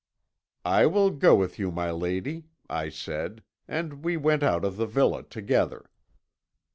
"'I will go with you, my lady,' I said, and we went out of the villa together.